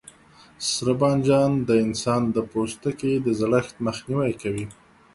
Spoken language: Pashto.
سره بانجان د انسان د پوستکي د زړښت مخنیوی کوي.